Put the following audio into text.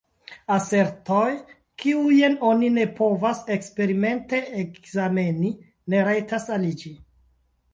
Asertoj, kiujn oni ne povas eksperimente ekzameni, ne rajtas aliĝi.